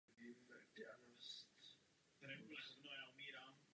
Nynější finanční krize však způsobila mnoha malým podnikům velké potíže.